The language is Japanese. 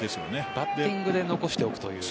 バッティングで残しておくという。